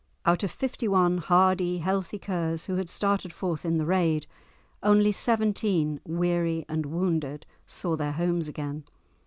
Out of fifty one hardy, healthy Kers who had started forth in the raid, only seventeen, weary and wounded, saw their homes again.